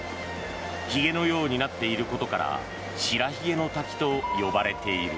ひげのようになっていることから白ひげの滝と呼ばれている。